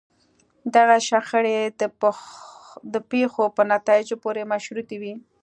دغه شخړې د پېښو په نتایجو پورې مشروطې وي.